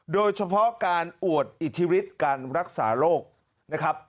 โดยเฉพาะการอวดอิทธิฤทธิ์การรักษาโรคนะครับ